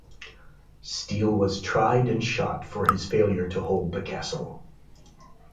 Steele was tried and shot for his failure to hold the castle.